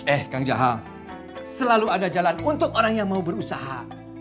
eh kang jaha selalu ada jalan untuk orang yang mau berusaha